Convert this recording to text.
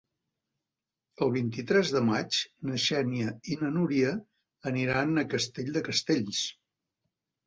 El vint-i-tres de maig na Xènia i na Núria aniran a Castell de Castells.